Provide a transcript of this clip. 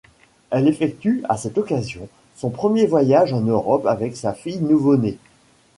Elle effectue, à cette occasion son premier voyage en Europe avec sa fille nouveau-née.